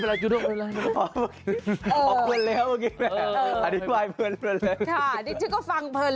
มีเป็นเบียบังอะไรอย่างนี้ไม่ใช่เหรอ